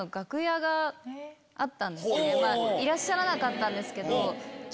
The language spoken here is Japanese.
いらっしゃらなかったけど。